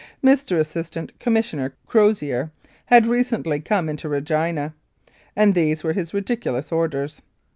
Mr. Assistant Commissioner Crozier had recently come into Regina, and these were his ridiculous orders.